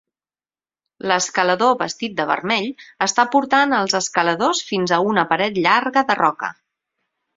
L'escalador vestit de vermell està portant als escaladors fins a una paret llarga de roca.